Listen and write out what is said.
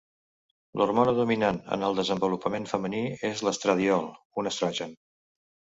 L'hormona dominant en el desenvolupament femení és l'estradiol, un estrogen.